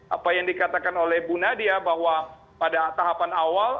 apa yang dikatakan oleh bu nadia bahwa pada tahapan awal